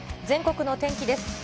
全国の天気です。